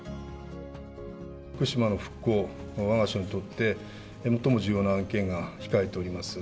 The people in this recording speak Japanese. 福島の復興は、わが省にとって、最も重要な案件を控えております。